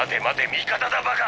味方だバカ！